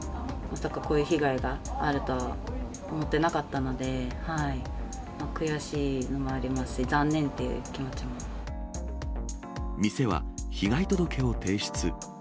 まさかこういう被害があるとは思ってなかったので、悔しいのもあ店は被害届を提出。